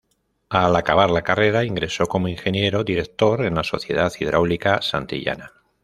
Al acabar la carrera ingresó como Ingeniero Director en la Sociedad Hidráulica Santillana.